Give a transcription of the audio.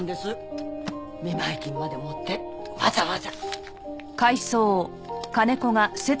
見舞金まで持ってわざわざ。